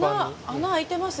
穴穴開いてます